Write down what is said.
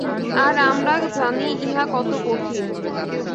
আর আমরা জানি, ইহা কত কঠিন।